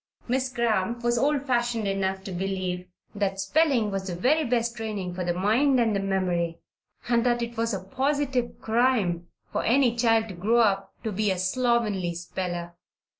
Miss Cramp was old fashioned enough to believe that spelling was the very best training for the mind and the memory and that it was a positive crime for any child to grow up to be a slovenly speller.